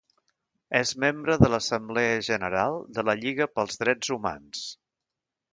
És membre de l'assemblea general de la Lliga pels Drets Humans.